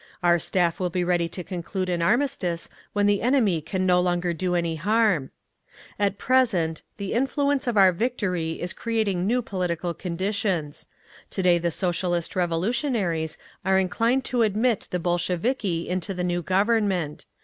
Our Staff will be ready to conclude an armistice when the enemy can no longer do any harm…. "At present, the influence of our victory is creating new political conditions…. To day the Socialist Revolutionaries are inclined to admit the Bolsheviki into the new Government….